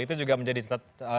itu juga menjadi tetap